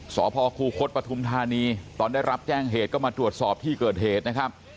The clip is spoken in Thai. สพคูคศปฐุมธานีตอนได้รับแจ้งเหตุก็มาตรวจสอบที่เกิดเหตุนะครับ